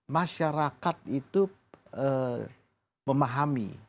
masyarakat itu memahami